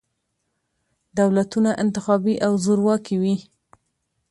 دولتونه انتخابي او زورواکي وي.